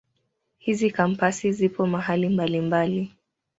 Hizi Kampasi zipo mahali mbalimbali.